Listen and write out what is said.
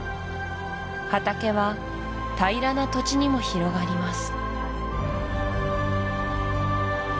畑は平らな土地にも広がります